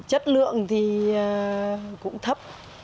chất lượng thì cũng thấp